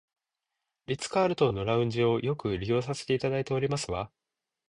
リッツカールトンのラウンジをよく利用させていただいておりますわ